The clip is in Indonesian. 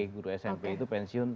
guru smp itu pensiun